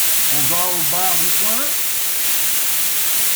On va au bar du coin?